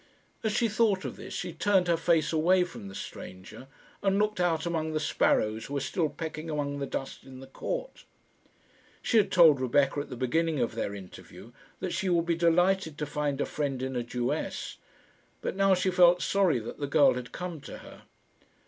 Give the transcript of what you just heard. As she thought of this she turned her face away from the stranger, and looked out among the sparrows who were still pecking among the dust in the court. She had told Rebecca at the beginning of their interview that she would be delighted to find a friend in a Jewess, but now she felt sorry that the girl had come to her.